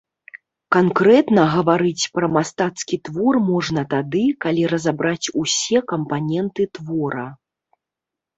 Канкрэтна гаварыць пра мастацкі твор можна тады, калі разабраць усе кампаненты твора.